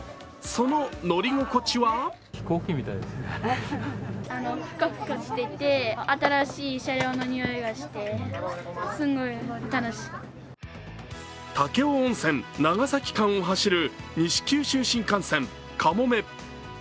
その乗り心地は武雄温泉−長崎間を走る西九州新幹線かもめ。